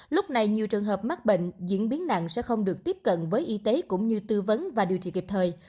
lúc này nhiều trường hợp mắc bệnh diễn biến nặng sẽ không được tiếp cận với y tế cũng như tư vấn và điều trị kịp thời